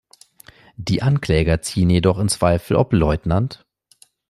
Die Ankläger ziehen jedoch in Zweifel, ob Lt.